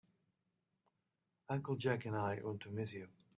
Uncle Jack and I are going to miss you.